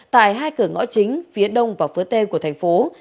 tại hai cửa ngõ chính phía đông và phía tây của thành phố